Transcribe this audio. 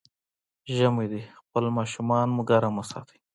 ژمی دی، خپل ماشومان مو ګرم وساتئ.